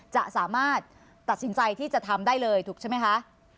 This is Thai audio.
จะสามารถตัดสินใจที่จะทำได้เลยถูกใช่ไหมคะ